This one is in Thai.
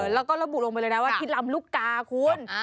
แล้วก็ระบุลงไปเลยนะว่าที่ลำลูกกาคุณ